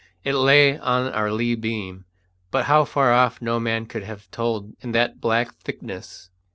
It lay on our lee beam, but how far off no man could have told in that black thickness.